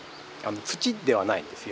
土ではないんですよ。